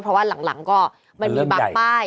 เพราะว่าหลังก็มันมีบางป้าย